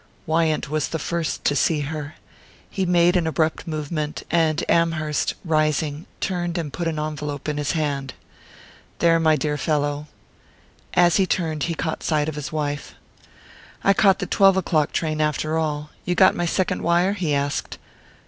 Wyant was the first to see her. He made an abrupt movement, and Amherst, rising, turned and put an envelope in his hand. "There, my dear fellow " As he turned he caught sight of his wife. "I caught the twelve o'clock train after all you got my second wire?" he asked.